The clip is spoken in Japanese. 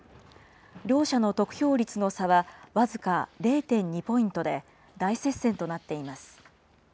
両者の得票率の左派、僅か０．２ポイントで大接戦となっています。